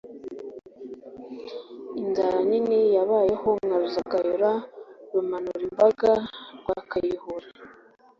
inzara nini zabaye nka ruzagayura, rumanurimbaba, rwakayihura